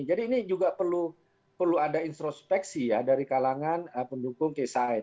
jadi ini juga perlu ada introspeksi ya dari kalangan pendukung ksat